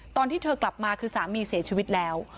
ตอนที่เธอกลับมาคือสามีเสียชีวิตแล้ว